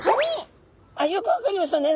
あっよく分かりましたね。